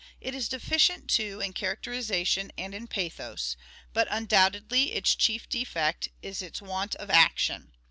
It is deficient, too, in characterization and in pathos ; but undoubtedly its chief defect is its want of action